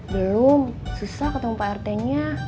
belum susah ketemu pak rt nya